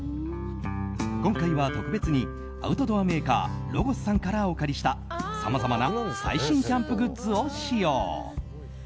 今回は特別にアウトドアメーカーロゴスさんからお借りしたさまざまな最新キャンプグッズを使用。